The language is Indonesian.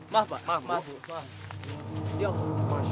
malang malang masuk ke luar lagi